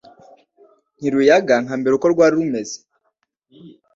Ntiruyaga nka mbere uko rwahoze